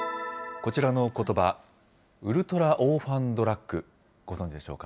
こちらのことば、ウルトラオーファンドラッグ、ご存じでしょうか。